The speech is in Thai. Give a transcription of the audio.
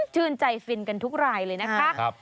ชื่นใจฟินกันทุกรายเลยนะคะ